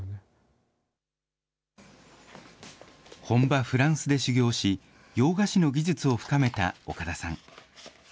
本場フランスで修業し、洋菓子の技術を深めた岡田さん。